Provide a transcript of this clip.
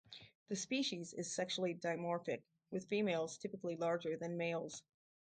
The species is sexually dimorphic, with females typically larger than males.